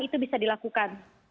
itu bisa dilakukan